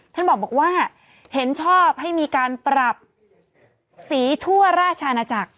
ท่านบอกว่าเห็นชอบให้มีการปรับสีทั่วราชอาณาจักร